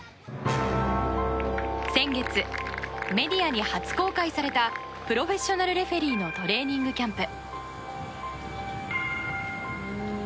先月、メディアに初公開されたプロフェッショナルレフェリーのトレーニングキャンプ。